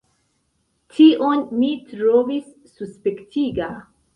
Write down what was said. Tion mi trovis suspektiga.